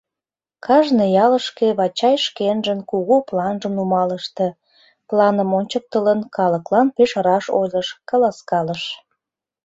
Кажне ялышке Вачай шкенжын кугу планжым нумалыште, планым ончыктылын, калыклан пеш раш ойлыш, каласкалыш.